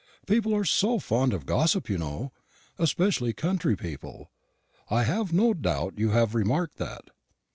People are so fond of gossip, you know especially country people: I have no doubt you have remarked that.